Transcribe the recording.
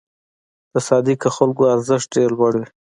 د صادقو خلکو ارزښت ډېر لوړ وي.